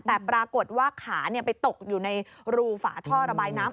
แต่ปรากฏว่าขาไปตกอยู่ในรูฝาท่อระบายน้ำ